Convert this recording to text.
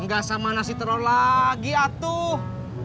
gak sama nasi telur lagi atuh